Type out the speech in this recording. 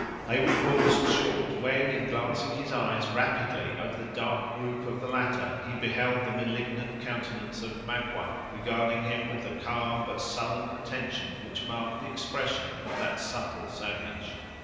Heyward paused short, when, in glancing his eyes rapidly over the dark group of the latter, he beheld the malignant countenance of Magua, regarding him with the calm but sullen attention which marked the expression of that subtle savage.